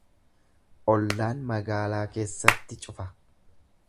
Ollaan magaalaa keessatti cufa.